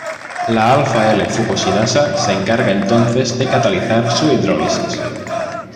La alfa-L-fucosidasa se encarga entonces de catalizar su hidrólisis.